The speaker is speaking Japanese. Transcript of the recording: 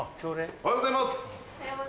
おはようございます。